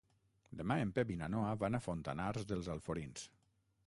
Demà en Pep i na Noa van a Fontanars dels Alforins.